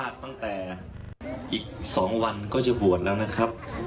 อีกสองวันก็จะบวชแล้วนะครับ